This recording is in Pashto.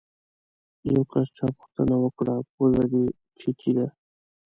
له یو کس چا پوښتنه وکړه: پوزه دې چیتې ده؟